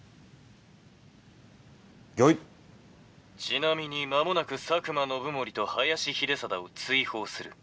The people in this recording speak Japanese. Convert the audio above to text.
「ちなみに間もなく佐久間信盛と林秀貞を追放する」。